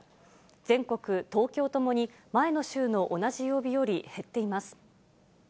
全国、東京ともに、前の週の同じ曜日より減っています。